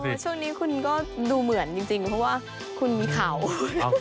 แต่ช่วงนี้คุณก็ดูเหมือนจริงเพราะว่าคุณมีข่าว